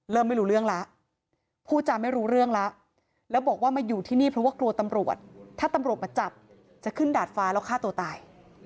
ไม่รู้เรื่องแล้วพูดจาไม่รู้เรื่องแล้วแล้วบอกว่ามาอยู่ที่นี่เพราะว่ากลัวตำรวจถ้าตำรวจมาจับจะขึ้นดาดฟ้าแล้วฆ่าตัวตาย